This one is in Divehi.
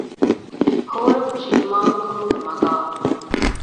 ހޯރަފުށި އިމާމުކަމުގެ މަޤާމު